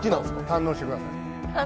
堪能してください。